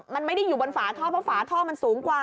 มันไม่ได้อยู่บนฝาท่อเพราะฝาท่อมันสูงกว่า